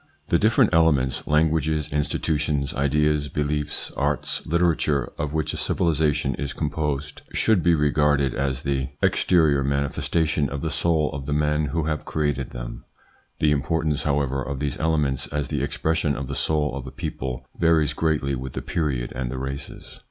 "^HE different elements, languages, institutions, ideas, beliefs, arts, literature, of which a civilisation is composed should be regarded as the 63 64 THE PSYCHOLOGY OF PEOPLES: exterior manifestation of the soul of the men who have created them. The importance, however, of these elements as the expression of the soul of a people varies greatly with the period and the races.